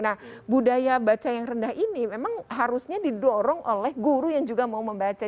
nah budaya baca yang rendah ini memang harusnya didorong oleh guru yang juga mau membaca